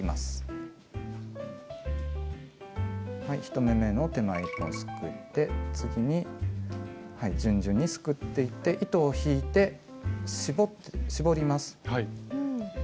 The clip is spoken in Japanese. はい１目めの手前１本すくって次に順々にすくっていって糸を引いて絞ります。